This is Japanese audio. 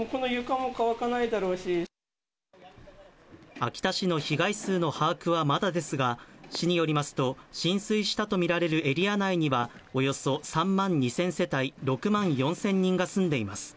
秋田市の被害数の把握はまだですが、市によりますと、浸水したとみられるエリア内にはおよそ３万２０００世帯、６万４０００人が住んでいます。